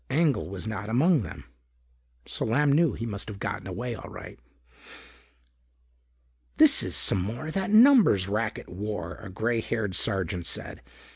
Engel was not among them. So Lamb knew he must have gotten away all right. "This is some more of that numbers racket war," a gray haired sergeant said.